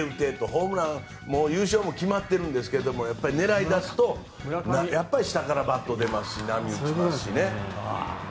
ホームラン、優勝も決まっているんですけどやっぱり狙い出すとやっぱり下からバットが出ますしね。